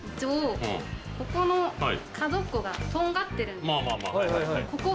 ここの角っこがとんがってるんです。